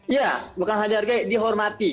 iya bukan dihargai dihormati